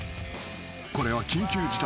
［これは緊急事態。